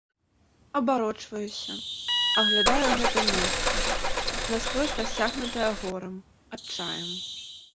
Абарочваюся, аглядаю гэта месца, наскрозь прасякнутае горам, адчаем.